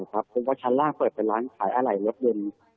เขาพบว่าชั้นล่างเปิดเป็นร้านขายอาหร่ายรถดูน